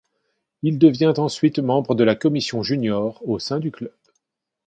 Il devient ensuite membre de la commission junior au sein du club.